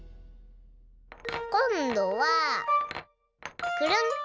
こんどはくるん。